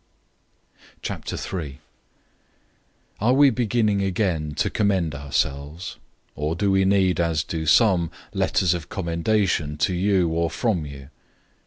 003:001 Are we beginning again to commend ourselves? Or do we need, as do some, letters of commendation to you or from you?